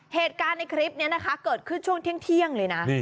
เหตุการณ์ในคลิปนี้นะคะเกิดขึ้นช่วงเที่ยงเลยนะ